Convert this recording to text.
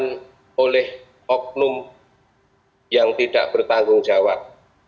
dan oleh oknum yang tidak bertanggung jawab